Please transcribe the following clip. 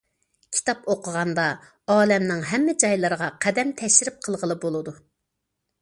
كىتاب ئوقۇغاندا ئالەمنىڭ ھەممە جايلىرىغا قەدەم تەشرىپ قىلغىلى بولىدۇ.